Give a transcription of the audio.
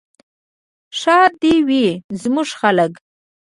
ښاد دې وي زموږ خلک.